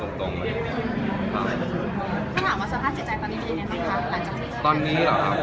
ตกตายกันทุกวันเนี้ยเราตรง